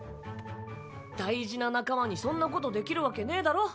大事な仲間にそんなことできるわけねぇだろ。